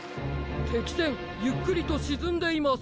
てきせんゆっくりとしずんでいます。